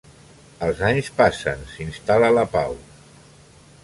Els anys passen, s'instal·la la pau.